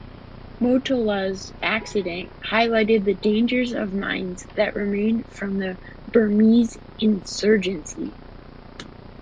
Motola's accident highlighted the dangers of mines that remain from the Burmese insurgency.